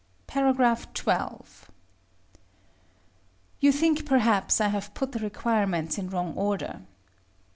§ XII. You think, perhaps, I have put the requirements in wrong order.